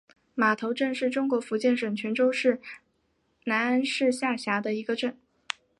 码头镇是中国福建省泉州市南安市下辖的一个镇。